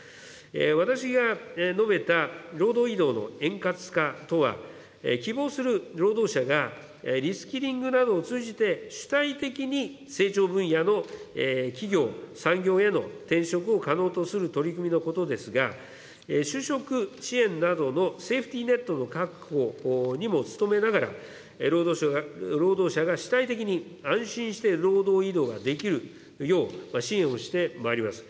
私が述べた労働移動の円滑化とは、希望する労働者がリスキリングなどを通じて、主体的に成長分野の企業、産業への転職を可能とする取り組みのことですが、就職支援などのセーフティーネットの確保にも努めながら、労働者が主体的に安心して労働移動ができるよう、支援をしてまいります。